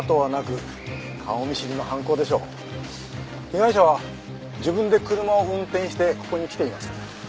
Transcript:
被害者は自分で車を運転してここに来ています。